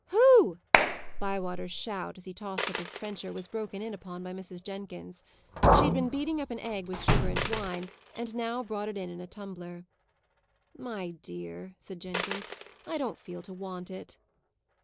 "Hoo " Bywater's shout, as he tossed up his trencher, was broken in upon by Mrs. Jenkins. She had been beating up an egg with sugar and wine, and now brought it in in a tumbler. "My dear," said Jenkins, "I don't feel to want it."